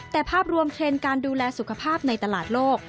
แต่ภาพรวมเทรนด์การดูแลสุขภาพในตลาดโลก